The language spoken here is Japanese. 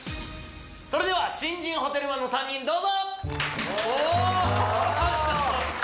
それでは新人ホテルマンの３人どうぞ！